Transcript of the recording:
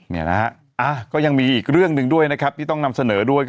นี้นะครับก็ยังมีอีกเรื่องนึงด้วยที่ต้องนำเสนอด้วย